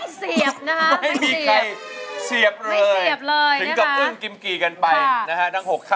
ไม่รู้ว่าเพลงอะไรนะคะ